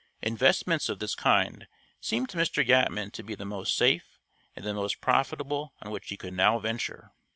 Investments of this kind seemed to Mr. Yatman to be the most safe and the most profitable on which he could now venture.